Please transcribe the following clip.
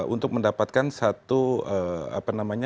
untuk mendapatkan satu apa namanya